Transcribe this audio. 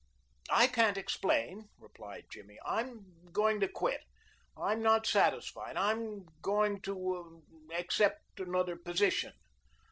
"I can't explain," replied Jimmy. "I am going to quit. I am not satisfied. I am going to er ah accept another position."